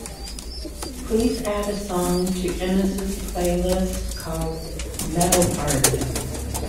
Please add a song to ines's playlist called Metal Party